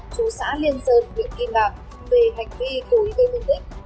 chú xã liên sơn huyện kim bảng về hành vi cố ý gây thương tích